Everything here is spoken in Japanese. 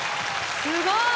すごい！